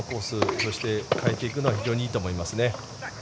そして、変えていくのは非常にいいと思いますね。